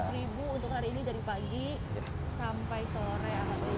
seratus ribu untuk hari ini dari pagi sampai sore